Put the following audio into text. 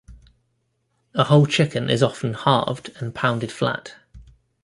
A whole chicken is often halved and pounded flat.